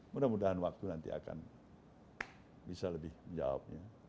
mudah mudahan waktu nanti akan bisa lebih menjawabnya